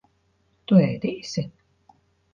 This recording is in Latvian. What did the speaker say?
Tu ēdīsi?